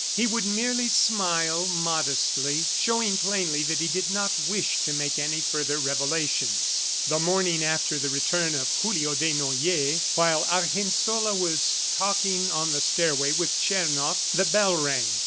He would merely smile modestly, showing plainly that he did not wish to make any further revelations. The morning after the return of Julio Desnoyers, while Argensola was talking on the stairway with Tchernoff, the bell rang.